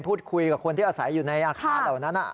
พูดคุยกับคนที่อาศัยอยู่ในอาคารเหล่านั้น